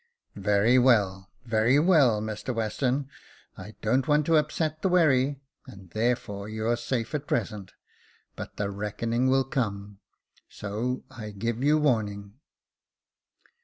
"Very well — very well, Mr Western. I don't want to upset the wherry, and therefore you're safe at present, but the reckoning will come — so I give you warning."